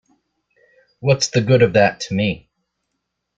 What's the good of that to me?